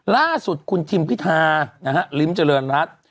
ล่าสุดคุณทิมพิทาลิมเจริญรัฐ